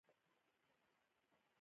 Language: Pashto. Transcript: د ایران په اړه نور معلومات.